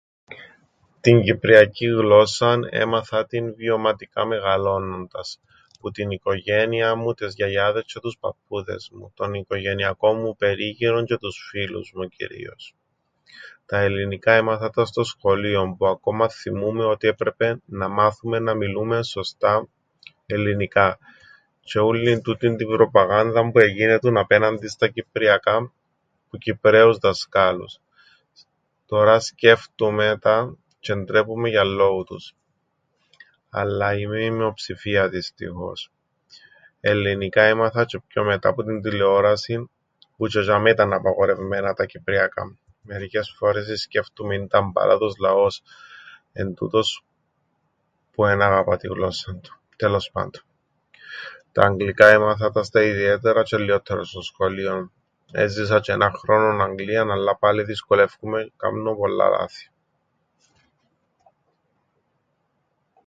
Την κυπριακήν γλώσσαν έμαθα την βιωματικά μεγαλώνοντας, που την οικογένειαν μου, τες γιαγιάδες τζ̆αι τους παππούδες μου, τον οικογενειακόν μου περίγυρον τζ̆αι τους φίλους μου κυρίως. Τα ελληνικά έμαθα τα στο σχολείον, που ακόμα θθυμούμαι ότι έπρεπεν να μάθουμεν να μιλούμεν σωστά ελληνικά τζ̆αι ούλλην τούτην την προπαγάνδαν που εγίνετουν απέναντι στα κυπριακά που Κυπραίους δασκάλους. Τωρά σκέφτουμαι τα τζ̆αι ντρέπουμαι για λλόου τους. Αλλά είμαι η μειοψηφία δυστυχώς. Ελληνικά έμαθα τζ̆αι πιο μετά, που την τηλεόρασην, που τζ̆αι τζ̆ειαμαί ήταν απαγορευμένα τα κυπριακά. Μερικές φορές ι-σκέφτουμαι ίντα αμπάλατος λαός εν' τούτος που εν αγαπά την γλώσσαν του. Τέλος πάντων. Τα αγγλικά έμαθα τα στα ιδιαίτερα τζ̆αι λλιόττερον στο σχολείον, έζησα τζ̆' έναν χρόνον Αγγλίαν, αλλά πάλε δυσκολεύκουμαι, κάμνω πολλά λάθη.